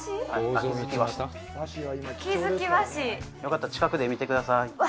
秋月和紙よかったら近くで見てください